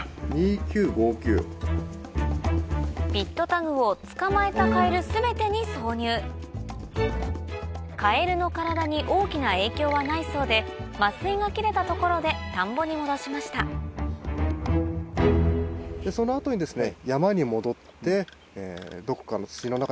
ピットタグを捕まえたカエル全てに挿入カエルの体に大きな影響はないそうで麻酔が切れたところで田んぼに戻しましたその後にですね。